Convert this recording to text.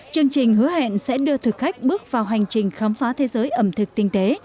chương trình hứa hẹn sẽ đưa thực khách bước vào hành trình khám phá thế giới ẩm thực tinh tế